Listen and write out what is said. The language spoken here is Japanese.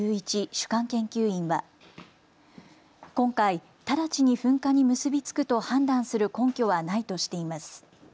主幹研究員は、今回直ちに噴火に結び付くと判断する根拠はないとしています。